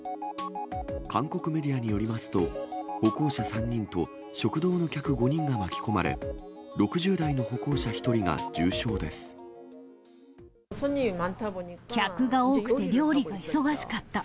韓国メディアによりますと、歩行者３人と食堂の客５人が巻き込まれ、客が多くて料理が忙しかった。